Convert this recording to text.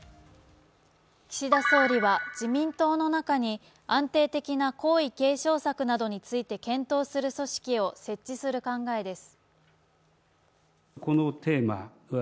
岸田総理は自民党の中に安定的な皇位継承策などについて検討する組織を設置する考えです。